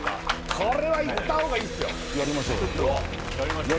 これはいったほうがいいっすよ